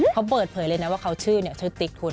เขาเปิดเผยเลยนะว่าเขาชื่อเนี่ยชื่อติ๊กคุณ